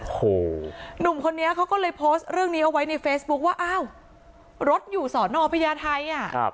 โอ้โหหนุ่มคนนี้เขาก็เลยโพสต์เรื่องนี้เอาไว้ในเฟซบุ๊คว่าอ้าวรถอยู่สอนอพญาไทยอ่ะ